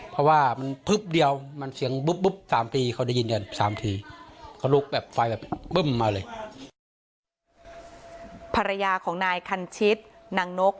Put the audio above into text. ภรรยาของนายคันชิศนางนก